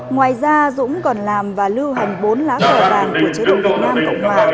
ngoài ra dũng còn làm và lưu hành bốn lá cờ vàng của chế độ việt nam cộng hòa